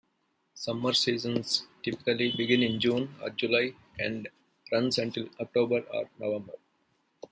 Summer seasons typically begin in June or July and runs until October or November.